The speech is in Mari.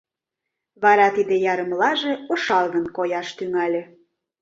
Вара тиде ярымлаже ошалгын кояш тӱҥале.